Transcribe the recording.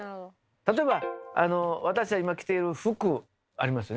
例えば私たち今着ている服ありますよね。